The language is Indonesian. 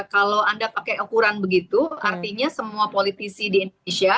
kalau anda pakai ukuran begitu artinya semua politisi di indonesia